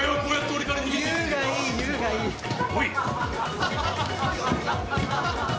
おい。